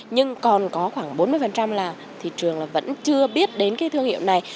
nhưng còn có khoảng bốn mươi là thị trường vẫn chưa biết đến cái thương hiệu này